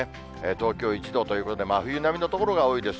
東京１度ということで、真冬並みの所が多いです。